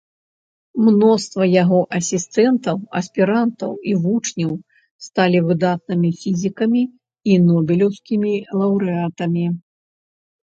Мноства яго асістэнтаў, аспірантаў і вучняў сталі выдатнымі фізікамі і нобелеўскімі лаўрэатамі.